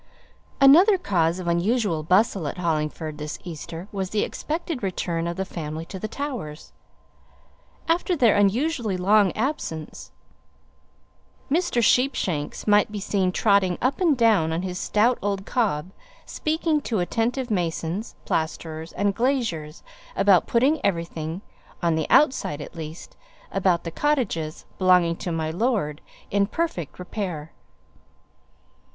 Another cause of unusual bustle at Hollingford this Easter was the expected return of the family to the Towers, after their unusually long absence. Mr. Sheepshanks might be seen trotting up and down on his stout old cob, speaking to attentive masons, plasterers, and glaziers about putting everything on the outside at least about the cottages belonging to "my lord," in perfect repair.